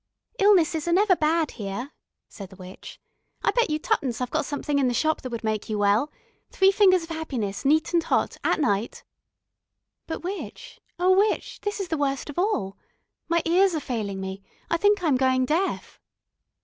"Illnesses are never bad here," said the witch. "I bet you twopence I've got something in the shop that would make you well. Three fingers of happiness, neat and hot, at night " "But, witch oh, witch this is the worst of all. My ears are failing me I think I am going deaf...."